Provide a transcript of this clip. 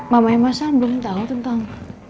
mama yang masalah belum tau tentang